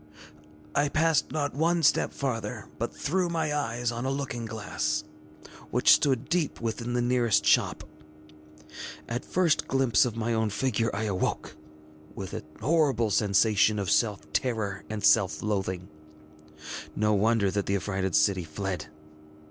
ŌĆ£I passed not one step farther, but threw my eyes on a looking glass which stood deep within the nearest shop. At first glimpse of my own figure I awoke, with a horrible sensation of self terror and self loathing. No wonder that the affrighted city fled!